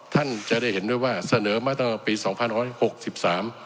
ท่านจะได้เห็นด้วยว่าเสนอมาตั้งแต่ปีสองพันร้อยหกสิบสาม